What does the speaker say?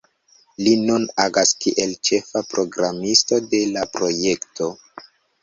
Li nun agas kiel ĉefa programisto de la projekto.